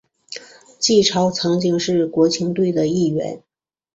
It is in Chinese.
纪超曾经是国青队的一员。